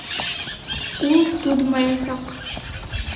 Ул туҙмаясаҡ